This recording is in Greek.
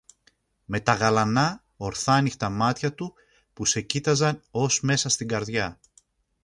με τα γαλανά ορθάνοιχτα μάτια του που σε κοίταζαν ως μέσα στην καρδιά